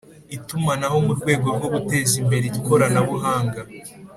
itumanaho mu rwego rwo guteza imbere ikoranabuhanga